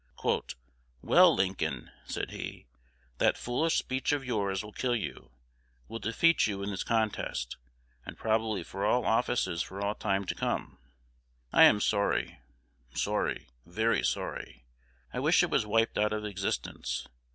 "Well, Lincoln," said he, "that foolish speech of yours will kill you, will defeat you in this contest, and probably for all offices for all time to come. I am sorry, sorry, very sorry: I wish it was wiped out of existence.